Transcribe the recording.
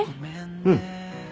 うん。